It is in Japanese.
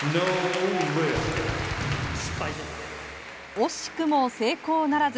惜しくも成功ならず。